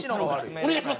お願いします！